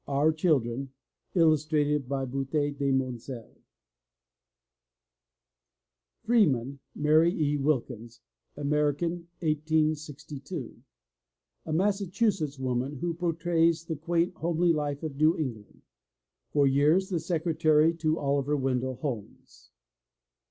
Our Children {Illustrated by Boutet de Monvel) 104 THE LATCH KEY FREEMAN, MARY E. WILKINS (American, 1862 ) A Massachusetts woman, who portrays the quaint, homely life of New England. For years the secretary to Oliver Wendell Holmes.